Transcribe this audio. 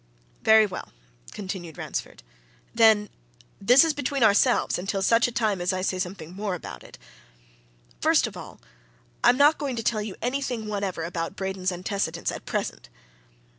"Very well," continued Ransford. "Then this is between ourselves, until such time as I say something more about it. First of all, I am not going to tell you anything whatever about Braden's antecedents at present!